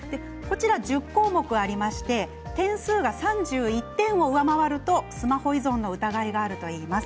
１０項目ありまして点数が３１点を上回るとスマホ依存の疑いがあるといいます。